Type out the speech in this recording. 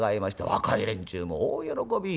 若い連中も大喜び。